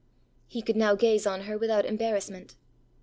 He could now gaze on her without embarrassment.